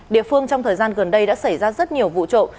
địa phương trong thời gian gần đây đã xảy ra rất nhiều vụ trộm